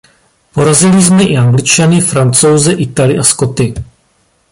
Porazili jsme i Angličany, Francouze, Italy a Skoty.